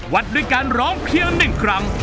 วัดด้วยการร้องเพียง๑ครั้ง